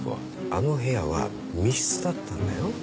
あの部屋は密室だったんだよ？